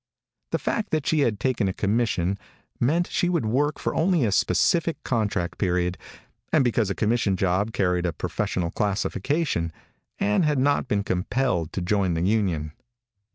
The fact that she had taken a commission meant she would work for only a specific contract period. And because a commission job carried a professional classification, Ann had not been compelled to join the union.